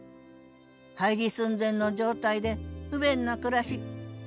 廃寺寸前の状態で不便な暮らし。